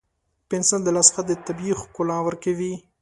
پنسل د لاس خط ته طبیعي ښکلا ورکوي.